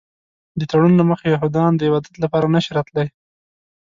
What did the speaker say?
د تړون له مخې یهودان د عبادت لپاره نه شي راتلی.